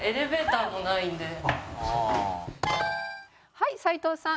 はい斉藤さん。